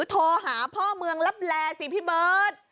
โทรหาพ่อเมืองลับแลสิพี่เบิร์ต